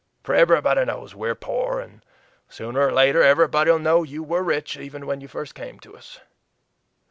For everybody knows we're poor, and sooner or later everybody'll know you WERE rich even when you first came to us."